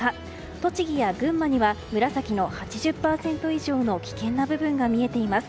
栃木や群馬には紫の８０％以上の危険な部分が見えています。